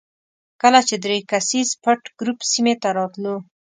کله چې درې کسیز پټ ګروپ سیمې ته راتلو.